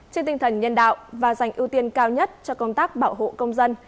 trên tinh thần nhân đạo và dành ưu tiên cao nhất cho công tác bảo hộ công dân